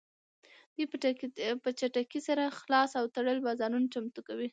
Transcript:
دوی په چټکۍ سره خلاص او تړلي بازارونه چمتو کوي